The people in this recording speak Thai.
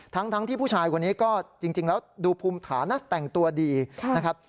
ทั้งที่ผู้ชายคนนี้ก็จริงแล้วดูภูมิฐานะแต่งตัวดีนะครับ